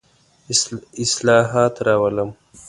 اصلاحات راولم.